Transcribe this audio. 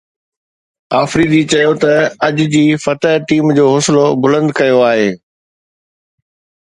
آفريدي چيو ته اج جي فتح ٽيم جو حوصلو بلند ڪيو آهي